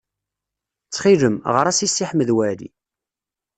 Ttxil-m, ɣer-as i Si Ḥmed Waɛli.